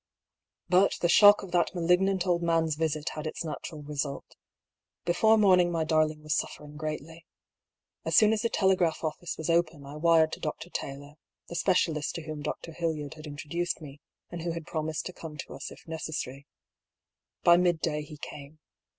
. But the shock of that malignant old man's visit had its natural result. Before morning my darling was suffering greatly. As soon as the telegraph oflfice was open I wired to Dr. Taylor (the specialist to whom Dr. Hildyard had introduced me, and who had promised to come to us if necessary). By midday he came.